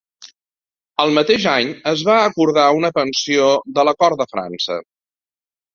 El mateix any, es va acordar una pensió de la cort de França.